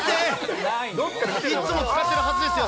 いっつも使ってるはずですよ。